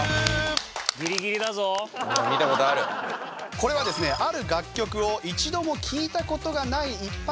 これはですねある楽曲を一度も聴いた事がない一般の方にですね